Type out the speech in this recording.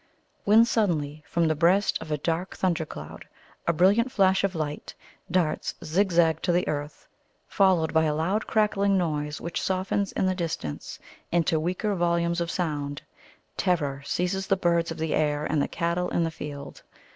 When, suddenly, from the breast of a dark thunder cloud a brilliant flash of light darts zigzag to the earth, followed by a loud crackling noise which softens in the distance into weaker volumes of sound, terror seizes the birds of the air and the cattle in the field.